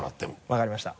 分かりました。